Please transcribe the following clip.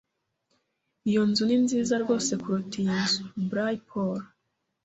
Iyo nzu ni nziza rwose kuruta iyi nzu. (blay_paul)